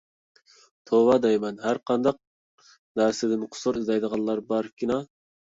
توۋا دەيمەن، ھەر قانداق نەرسىدىن قۇسۇر ئىزدەيدىغانلار باركىنا.